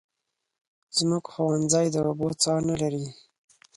زموږ ښوونځی د اوبو څاه نلري